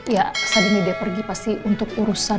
ya saat ini dia pergi pasti untuk urusan